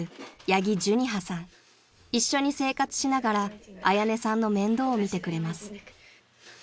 ［一緒に生活しながら彩音さんの面倒を見てくれます］